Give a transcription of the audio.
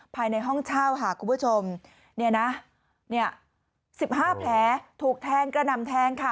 ภายในห้องเช่าค่ะคุณผู้ชมเนี่ยนะเนี่ย๑๕แผลถูกแทงกระหน่ำแทงค่ะ